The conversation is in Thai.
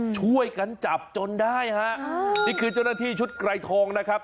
ช่วยกันจับจนได้ฮะนี่คือเจ้าหน้าที่ชุดไกรทองนะครับ